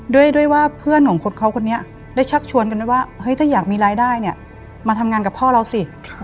ด้วยว่าเพื่อนของเขาคนนี้ได้ชักชวนกันไว้ว่าเฮ้ยถ้าอยากมีรายได้เนี่ยมาทำงานกับพ่อเราสิ